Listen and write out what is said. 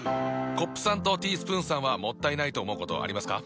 コップさんとティースプーンさんはもったいないと思うことありますか？